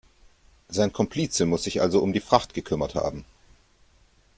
Sein Komplize muss sich also um die Fracht gekümmert haben.